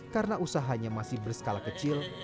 karena usahanya masih berskala kecil